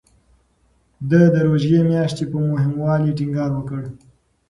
ده د روژې میاشتې په مهموالي ټینګار وکړ.